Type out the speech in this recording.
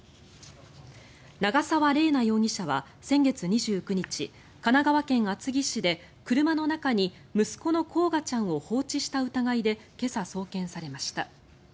長澤麗奈容疑者は先月２９日神奈川県厚木市で車の中に息子の煌翔ちゃんを放置した疑いで今朝、送検されました。